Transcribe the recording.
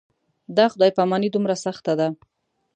دا خدای پاماني دومره سخته ده.